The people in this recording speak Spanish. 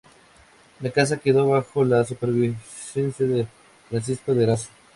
La casa quedó bajo la superintendencia de Francisco de Eraso.